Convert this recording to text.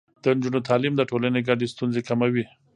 د نجونو تعليم د ټولنې ګډې ستونزې کموي.